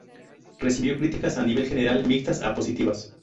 Recibió críticas a nivel general mixtas a positivas.